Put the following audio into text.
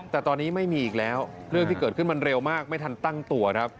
แต่ตอนนี้ไม่มีอีกแล้วเรื่องที่เกิดขึ้นมันเร็วมากไม่ทันตั้งตัวครับ